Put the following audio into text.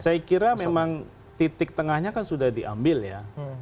saya kira memang titik tengahnya kan sudah diambil ya